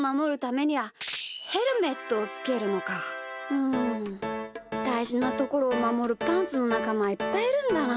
うんだいじなところをまもるパンツのなかまはいっぱいいるんだな。